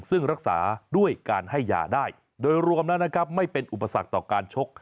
ซึ่งรักษาด้วยการให้ยาได้โดยรวมแล้วนะครับไม่เป็นอุปสรรคต่อการชก